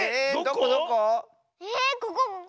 ここここ！